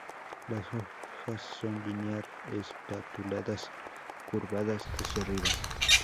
Las hojas son linear-espatuladas curvadas hacia arriba.